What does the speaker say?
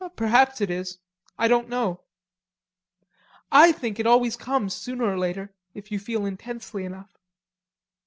"Perhaps it isn't. I don't know." "I think it always comes sooner or later, if you feel intensely enough."